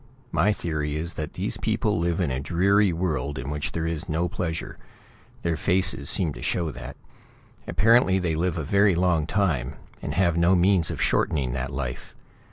My theory is that these people live in a dreary world in which there is no pleasure. Their faces seem to show that. Apparently they live a very long time, and have no means of shortening that life.